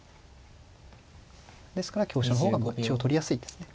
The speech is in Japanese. ですから香車の方がまあ一応取りやすいですね。